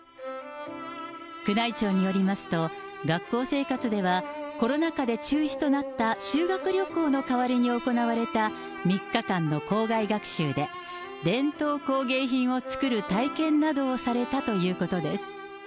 宮内庁によりますと、学校生活ではコロナ禍で中止となった、修学旅行の代わりに行われた３日間の校外学習で、伝統工芸品を作る体験などをされたということです。